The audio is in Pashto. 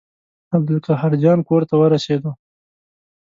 عبدالقاهر جان کور ته ورسېدو.